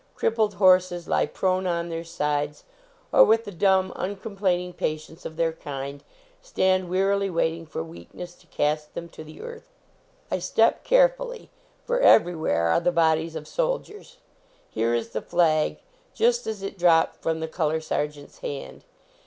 Crippled horses lie prone on their sides, or with the dumb, uncomplaining patience of their kind, stand wearily waiting for weak ness to cast them to the earth. I step carefully, for everywhere are the bodies of soldiers. Here is the flag, just as it dropped from the color sergeant s hand.